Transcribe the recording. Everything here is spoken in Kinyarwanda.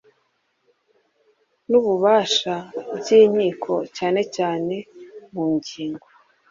n ububasha by inkiko cyane cyane mu ngingo